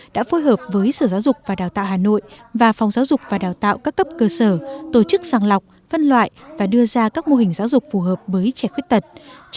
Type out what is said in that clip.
đã phối hợp với sở giáo dục và đào tạo hà nội và phòng giáo dục và đào tạo các cấp cơ sở tổ chức sàng lọc phân loại và đưa ra các mô hình giáo dục phù hợp với trẻ khuyết tật